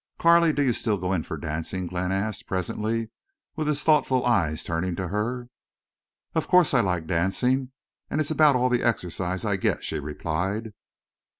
"Carley, do you still go in for dancing?" Glenn asked, presently, with his thoughtful eyes turning to her. "Of course. I like dancing, and it's about all the exercise I get," she replied.